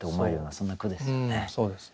そうですね。